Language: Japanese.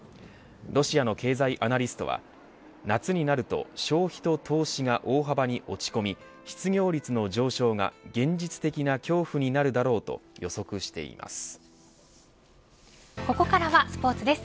ロシアの経済アナリストは夏になると消費と投資が大幅に落ち込み失業率の上昇が現実的な恐怖になるだろうと予測しています。